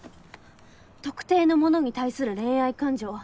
「特定の者に対する恋愛感情」。